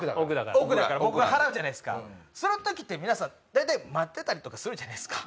奥だから僕が払うじゃないですかその時って皆さん大体待ってたりとかするじゃないっすか。